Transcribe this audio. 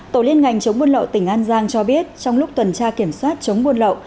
tổ liên ngành chống buôn lậu tỉnh an giang cho biết trong lúc tuần tra kiểm soát chống buôn lậu